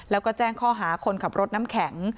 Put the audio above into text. แล้วก็แจ้งข้อหาคนขับรถน้ำแข็ง